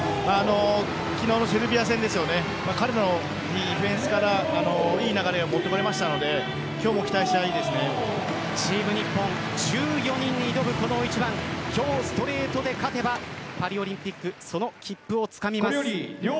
昨日のセルビア戦で彼のディフェンスからいい流れを持ってこれましたのでチーム日本１４人で挑む今日の大一番今日ストレートで勝てばパリオリンピックの切符をつかみます。